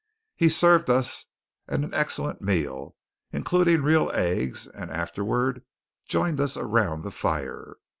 He served us an excellent meal, including real eggs, and afterward joined us around the fire.